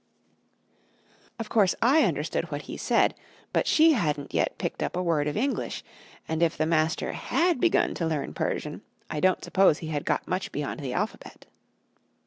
Of course, I understood what he said, but she hadn't yet picked up a word of English; and if the master had begun to learn Persian, I don't suppose he had got much beyond the alphabet.